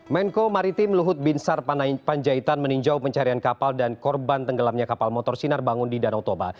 menko maritim luhut binsar panjaitan meninjau pencarian kapal dan korban tenggelamnya kapal motor sinar bangun di danau toba